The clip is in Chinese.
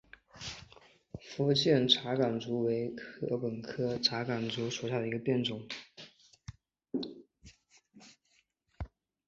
福建茶竿竹为禾本科茶秆竹属下的一个变种。